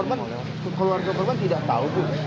ibu ini kan keluarga korban tidak tahu bu